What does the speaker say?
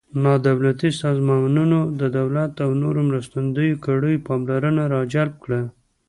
نا دولتي سازمانونو د دولت او نورو مرستندویه کړیو پاملرنه را جلب کړه.